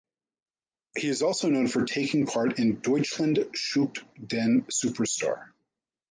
He is also known for taking part in Deutschland sucht den Superstar.